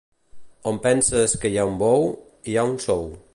On penses que hi ha un bou hi ha un sou.